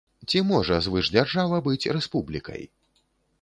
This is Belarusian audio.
Ці можа звышдзяржава быць рэспублікай?